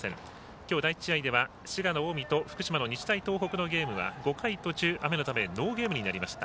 きょう第１試合では近江と、日大東北のゲームは５回途中、雨のためノーゲームになりました。